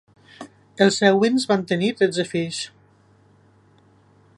Els Ewings van tenir tretze fills.